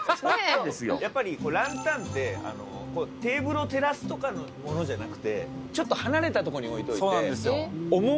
やっぱりランタンってテーブルを照らすとかのものじゃなくてちょっと離れたとこに置いといて趣？